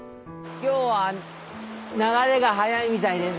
今日は流れが速いみたいですね。